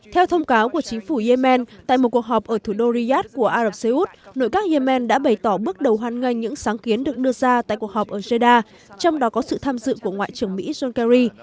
theo thông cáo của chính phủ yemen tại một cuộc họp ở thủ đô riyadh của ả rập xê út nội các yemen đã bày tỏ bước đầu hoan nghênh những sáng kiến được đưa ra tại cuộc họp ở jeda trong đó có sự tham dự của ngoại trưởng mỹ john kerry